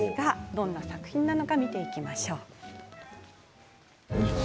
どんな作品なのか見ていきましょう。